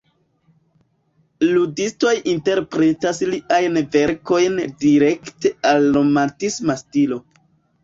Ludistoj interpretas liajn verkojn direkte al "romantisma stilo".